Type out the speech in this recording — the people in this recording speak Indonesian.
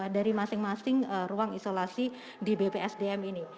dari masing masing ruang isolasi di bpsdm ini